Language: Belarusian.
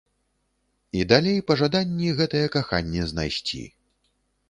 І далей пажаданні гэтае каханне знайсці.